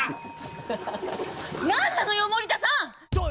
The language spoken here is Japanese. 何なのよ森田さん！